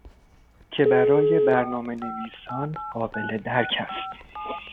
که برای برنامه نویسان قابل درک است